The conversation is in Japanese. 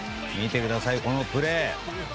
見てください、このプレー。